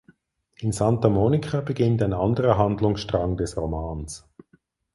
In Santa Monica beginnt ein anderer Handlungsstrang des Romans.